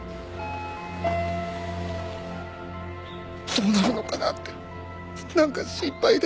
どうなるのかなってなんか心配で。